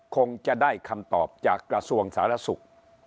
คงจะได้คำตอบจากกระทรวงสาธารณสุข